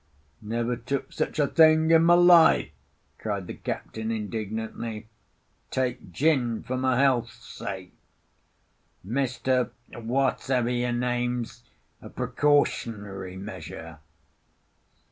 "Never took such a thing in my life!" cried the captain indignantly. "Take gin for my health's sake, Mr. Wha's ever your name—'s a precautionary measure."